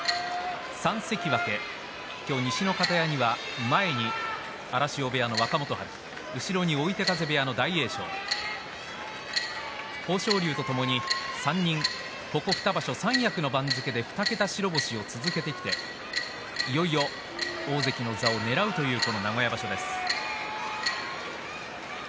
３関脇、西の方屋には前に荒汐部屋の若元春後ろに追手風部屋の大栄翔豊昇龍とともに３人、２場所三役の番付で２桁白星を続けてきていよいよ大関の座をねらうという名古屋場所です。